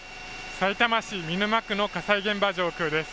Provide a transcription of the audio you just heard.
さいたま市見沼区の火災現場上空です。